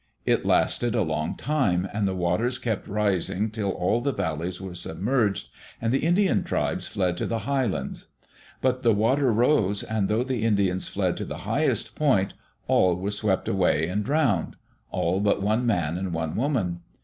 It lasted a long time and the water kept rising till all the valleys were submerged, and the Indian tribes fled to the high lands. But the water rose, and though the Indians fled to the highest point, all were swept away and drowned all but one man and one woman.